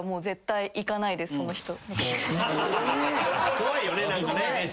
怖いよね何かね。